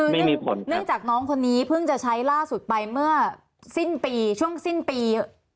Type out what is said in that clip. คือเนื่องจากน้องคนนี้เพิ่งจะใช้ล่าสุดไปเมื่อสิ้นปีช่วงสิ้นปี